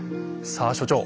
さあ所長